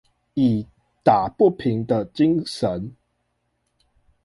以打不平的精砷